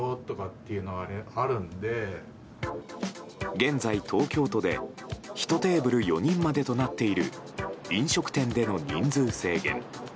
現在、東京都で１テーブル４人までとなっている飲食店での人数制限。